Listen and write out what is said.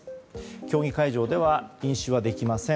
競技会場では飲酒はできません。